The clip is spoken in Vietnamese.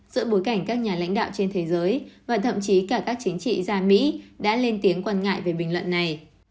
giữa bối cảnh các nhà lãnh đạo trên thế giới và thậm chí cả các chính trị gia mỹ đã lên tiếng quan ngại về bình luận này